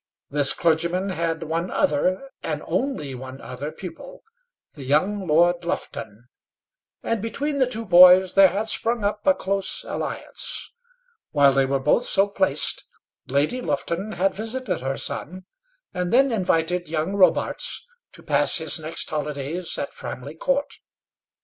This clergyman had one other, and only one other, pupil the young Lord Lufton; and between the two boys, there had sprung up a close alliance. While they were both so placed, Lady Lufton had visited her son, and then invited young Robarts to pass his next holidays at Framley Court.